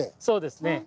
そうですね。